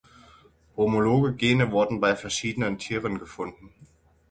Homologe Gene wurden bei verschiedenen Tieren gefunden.